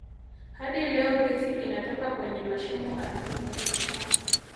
Hadi leo gesi inatoka kwenye mashimo ardhini